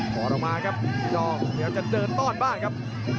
พอออกมาครับอินทรีย์ทองเดี๋ยวจะเจินต้อนบ้างครับ